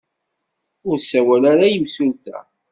Ur ssawal ara i yimsulta.